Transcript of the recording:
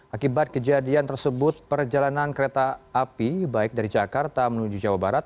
akibat kejadian tersebut perjalanan kereta api baik dari jakarta menuju jawa barat